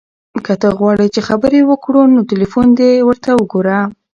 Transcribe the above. که ته غواړې چې خبرې وکړو نو تلیفون دې ته وګوره.